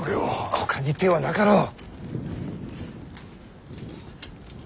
ほかに手はなかろう！